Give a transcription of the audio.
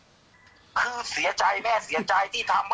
แม่ยังคงมั่นใจและก็มีความหวังในการทำงานของเจ้าหน้าที่ตำรวจค่ะ